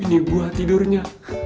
ini gua tidurnya